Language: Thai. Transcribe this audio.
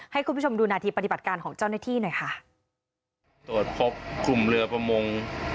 ให้คุณผู้ชมดูนาทีปฏิบัติการของเจ้าหน้าที่หน่อยค่ะตรวจพบกลุ่มเรือประมง